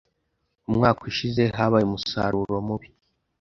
Umwaka ushize, habaye umusaruro mubi.